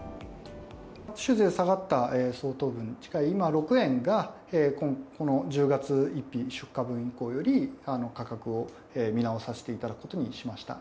酒税下がった相当分に近い今、６円がこの１０月１日出荷分以降より、価格を見直させていただくことにしました。